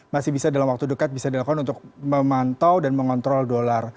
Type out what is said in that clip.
masih bisa dalam waktu dekat bisa dilakukan untuk memantau dan mengontrol dolar